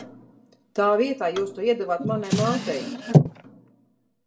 Tā vietā jūs to iedevāt manai mātei!